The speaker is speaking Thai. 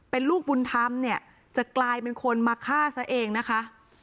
เป็นลูกบุญธรรมเนี่ยจะกลายเป็นคนมาฆ่าซะเองนะคะ